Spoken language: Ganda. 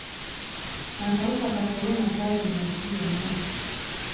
Akawuka ka kolona kaabuna nsi yonna.